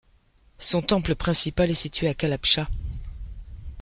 Son temple principal est situé à Kalabchah.